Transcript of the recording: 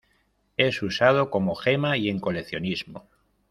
Es usado como gema y en coleccionismo.